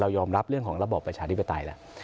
ยอมรับเรื่องของระบอบประชาธิปไตยแล้ว